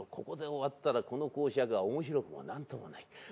ここで終わったらこの講釈はおもしろくもなんともない。